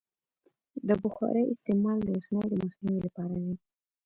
د بخارۍ استعمال د یخنۍ د مخنیوي لپاره دی.